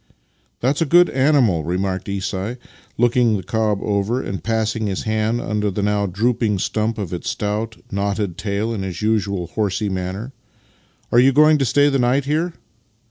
" That is a good animal," remarked Isai, looking the cob over, and passing his hand under the now drooping stump of its stout, knotted tail in his usual horsey manner. " Are you going to stay the night here?